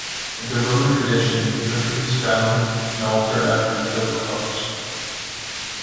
In the Roman tradition, Hercules founded an altar after he killed Cacus.